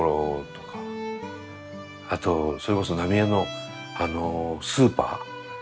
あとそれこそ浪江のあのスーパー。